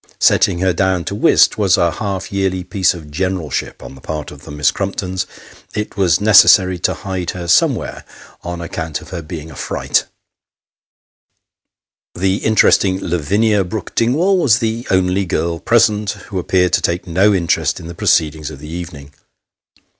Setting her down to whist was a half yearly piece of generalship on the part of the Miss Crumptons ; it was neces sary to hide her somewhere on account of her being a fright. 248 Sketches by Boz. The interesting Lavinia Brook Dingwall was the only girl present, who appeared to take no interest in the proceedings of the evening.